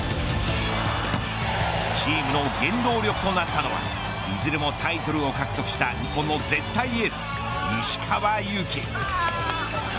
チームの原動力となったのはいずれもタイトルを獲得した日本の絶対エース石川祐希。